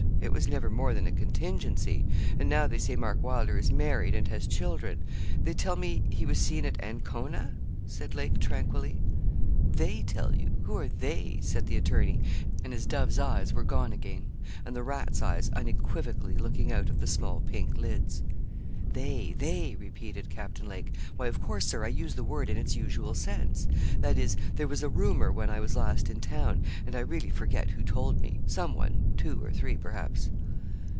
It was never more than a contingency; and now they say Mark Wylder is married, and has children; they tell me he was seen at Ancona?' said Lake tranquilly. 'They tell you! who are they?' said the attorney, and his dove's eyes were gone again, and the rat's eyes unequivocally looking out of the small pink lids. 'They they,' repeated Captain Lake. 'Why, of course, Sir, I use the word in its usual sense that is, there was a rumour when I was last in town, and I really forget who told me. Some one, two, or three, perhaps.'